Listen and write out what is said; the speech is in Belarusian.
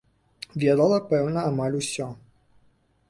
Ведала, пэўна, амаль усё.